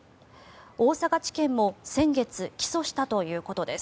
大阪地検も先月、起訴したということです。